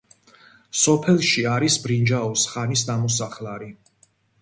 სოფელში არის ბრინჯაოს ხანის ნამოსახლარი.